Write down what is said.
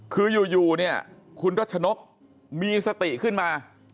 คืออยู่เนี่ยคุณรัชนกมีสติขึ้นมา